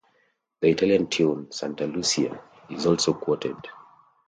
The Italian tune "Santa Lucia" is also quoted.